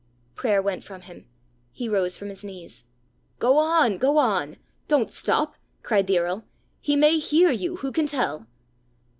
Prayer went from him; he rose from his knees. "Go on; go on; don't stop!" cried the earl. "He may hear you who can tell!"